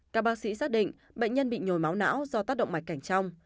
các bác sĩ xác định bệnh nhân bị nhồi máu não do tác động mạch cảnh trong